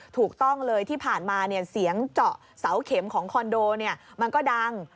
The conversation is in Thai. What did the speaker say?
ถูกต้องเลยที่ผ่านมาเสียงเจาะเสาเข็มของคอนโดมันก็ดัง